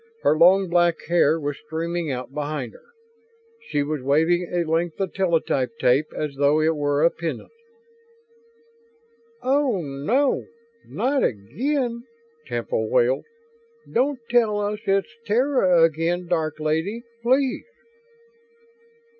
Her long black hair was streaming out behind her; she was waving a length of teletype tape as though it were a pennon. "Oh, no. Not again?" Temple wailed. "Don't tell us it's Terra again, Dark Lady, please."